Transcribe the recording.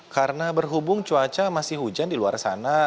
karena berhubung cuaca masih hujan di luar sana